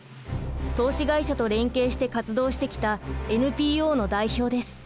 投資会社と連携して活動してきたＮＰＯの代表です。